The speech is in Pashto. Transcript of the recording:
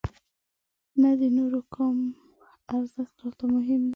نه د نورو کوم ارزښت راته مهم دی.